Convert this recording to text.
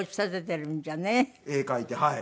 絵描いてはい。